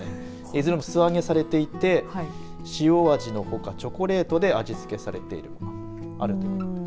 いずれも素揚げされていて塩味のほかチョコレートで味付けされているものがあると。